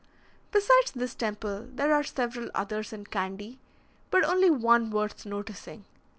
Besides this temple, there are several others in Candy, but only one worth noticing.